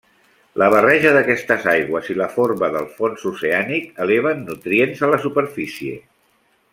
La barreja d'aquestes aigües i la forma del fons oceànic eleva nutrients a la superfície.